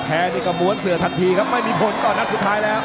นี่ก็ม้วนเสือทันทีครับไม่มีผลก่อนนัดสุดท้ายแล้ว